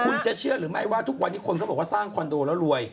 คุณจะเชื่อหรือไม่ว่าทุกวันนี้คนเขาบอกว่าสร้างคอนโดแล้วรวย